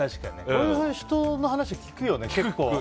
こういう人の話聞くよね、結構。